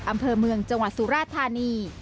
อำเภอเมืองจังหวัดสุราธานี